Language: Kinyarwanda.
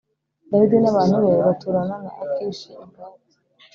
Dawidi n abantu be baturana na Akishi i Gati